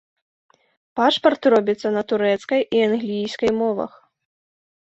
Пашпарт робіцца на турэцкай і англійскай мовах.